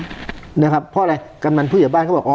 ยังไม่ได้รวมถึงกรณีว่าคุณปรินาจะได้ที่ดินเพื่อการเกษตรหรือเปล่า